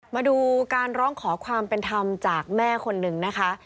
มาดูการร้องขอความเป็นธรรมจากแม่คนหนึ่งนะคะ